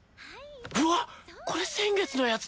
うわっこれ先月のやつだ。